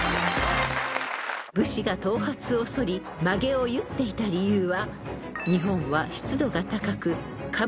［武士が頭髪をそりまげを結っていた理由は］